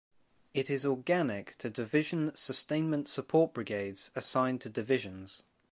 It is organic to division sustainment support brigades assigned to divisions.